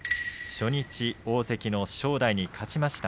初日、大関の正代に勝ちました。